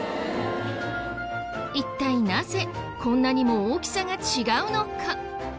一体なぜこんなにも大きさが違うのか。